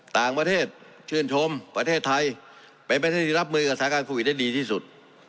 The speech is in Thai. ต่างประเทศชื่นชมประเทศไทยเป็นประเทศที่รับมือกับสถานการณ์โควิดได้ดีที่สุด